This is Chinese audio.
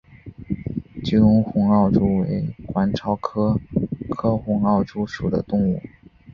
吉隆红螯蛛为管巢蛛科红螯蛛属的动物。